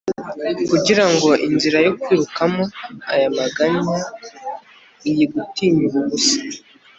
kugirango inzira yo kwikuramo aya maganya iyi gutinya ubu busa